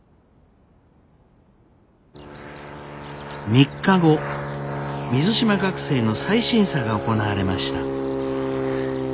３日後水島学生の再審査が行われました。